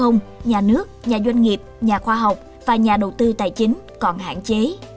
nhà nước nhà doanh nghiệp nhà khoa học và nhà đầu tư tài chính còn hạn chế